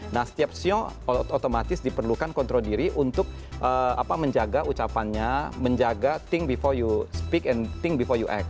nah setiap siu siu otomatis diperlukan kontrol diri untuk menjaga ucapannya menjaga think before you speak and think before you act